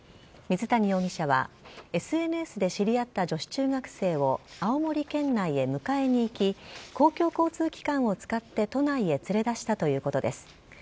水谷容疑者はＳＮＳで知り合った女子中学生を青森県内へ迎えに行き公共交通機関を使って都内へ連れ出したということです。